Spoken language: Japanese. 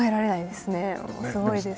すごいです。